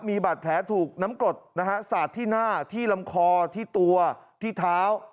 มีบาดแผลถูกน้ำกรดนะฮะสาดที่หน้าที่ลำคอที่ตัวที่เท้า